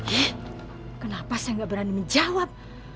ih kenapa saya enggak berani menjawab